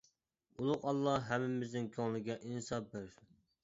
ئۇلۇغ ئاللا ھەممىمىزنىڭ كۆڭلىگە ئىنساب بەرسۇن.